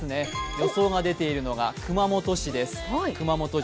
予想が出ているのが熊本市です、熊本城。